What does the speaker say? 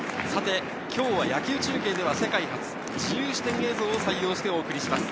今日は野球中継では世界初、自由視点映像を採用してお送りします。